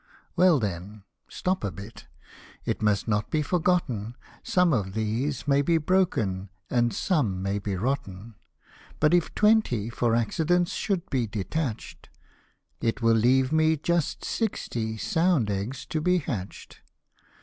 " Well then stop a bit : it must not be forgotten, Some of these may be broken, and some may be rotten ; But if twenty for accidents should be detach'd, It will leave me just sixty sound eggs to be hatch'd.